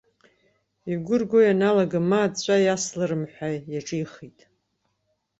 Игәы рго ианалага, ма аҵәҵәа иасларым ҳәа иаҿихит.